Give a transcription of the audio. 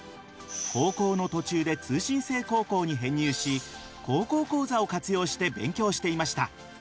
高校の途中で通信制高校に編入し高校講座を活用して勉強していました。